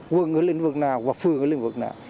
quân ở lĩnh vực nào hoặc phường ở lĩnh vực nào